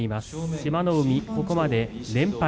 志摩ノ海、ここまで連敗